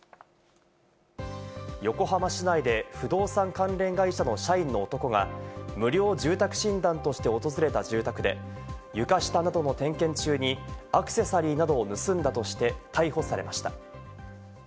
横浜市内で不動産関連会社の社員の男が無料住宅診断として訪れた住宅で、床下などの点検中にアクセサリーなどを盗んだとして逮捕されました。